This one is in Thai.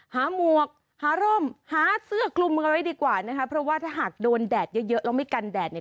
หมวกหาร่มหาเสื้อคลุมกันไว้ดีกว่านะคะเพราะว่าถ้าหากโดนแดดเยอะเยอะแล้วไม่กันแดดเนี่ย